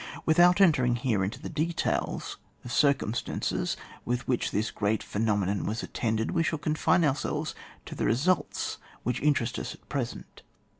Without entering here into the details of circumstances with which this great phe nomenon was attended, we shall confine ourselves to the results which interest us at present.